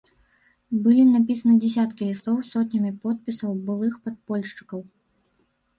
Былі напісаны дзясяткі лістоў з сотнямі подпісаў былых падпольшчыкаў.